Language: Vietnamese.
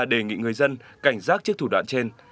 đề nghị người dân cảnh giác trước thủ đoạn trên